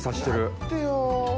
待ってよ